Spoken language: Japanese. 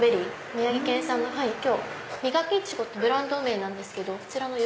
宮城県産のミガキイチゴってブランド名なんですけどそちらのよ